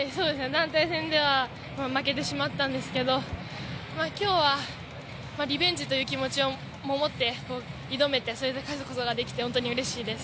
団体戦では負けてしまったんですけど、今日はリベンジという気持ちも持って挑めてそれで勝つことができて本当にうれしいです。